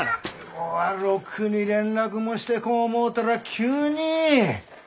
おろくに連絡もしてこん思うたら急に！